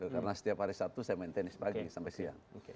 karena setiap hari sabtu saya main tenis pagi sampai siang